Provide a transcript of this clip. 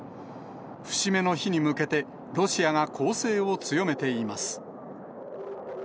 節目の日に向けて、ロシアが攻勢を強めています。